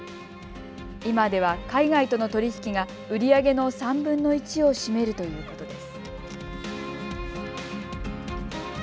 今では海外との取り引きが売り上げの３分の１を占めるということです。